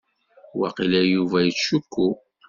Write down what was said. Waqila Yuba Ittcukku.